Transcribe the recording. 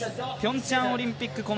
ピョンチャンオリンピック